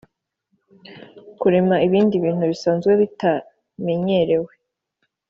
kurema ibindi bintu bisanzwe bitamenyerewe